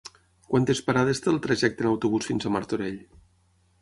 Quantes parades té el trajecte en autobús fins a Martorell?